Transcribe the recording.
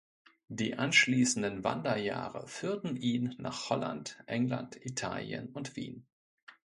Die anschließenden Wanderjahre führten ihn nach Holland, England, Italien und Wien.